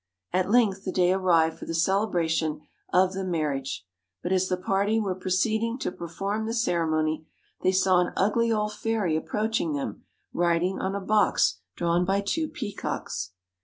At length the day arrived for the celebration of the marriage: but as the party were proceeding to perform the ceremony, they saw an ugly old fairy approaching them, riding on a box drawn by two peacocks.